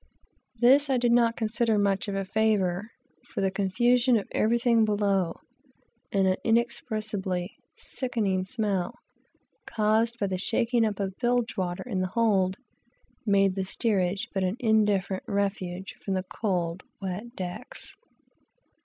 This I did not consider much of a favor, for the confusion of everything below, and that inexpressible sickening smell, caused by the shaking up of the bilge water in the hold, made the steerage but an indifferent refuge from the cold, wet decks.